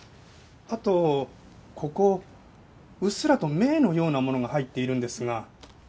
あとここうっすらと銘のようなものが入っているんですが。